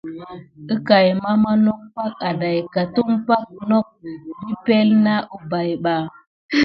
Əkay mama nok bak adaika tumpay ke naku nipenle na umpay ba.